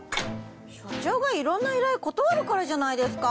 所長がいろんな依頼を断るからじゃないですか。